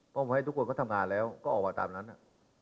ให้ทุกคนก็ทำงานแล้วก็ออกมาตามนั้น